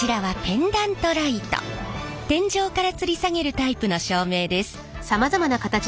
天井からつり下げるタイプの照明です。